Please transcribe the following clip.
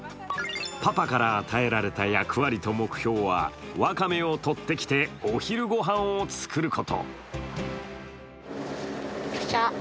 パパから与えられた役割と目標は、ワカメをとってきてお昼ごはんを作ること。